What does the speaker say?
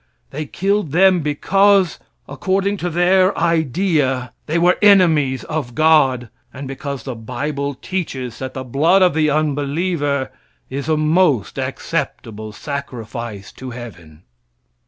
They killed them, because, according to their idea, they were the enemies of God, and because the bible teaches that the blood of the unbeliever is a most acceptable sacrifice to heaven.